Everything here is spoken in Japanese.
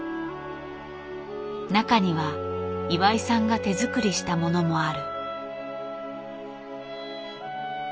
中には岩井さんが手作りしたものもある。